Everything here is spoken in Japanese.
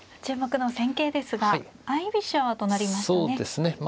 注目の戦型ですが相居飛車となりましたね。